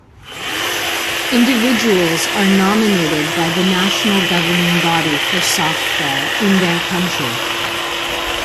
Individuals are nominated by the national governing body for softball in their country.